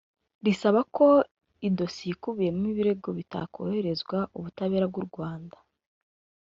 risaba ko idosiye ikubiyemo ibirego itakohererezwa ubutabera bw’u Rwanda